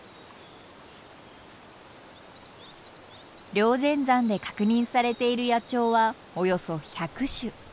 霊仙山で確認されている野鳥はおよそ１００種。